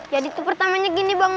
ya itu pertamanya gini bang